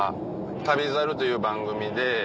『旅猿』という番組で。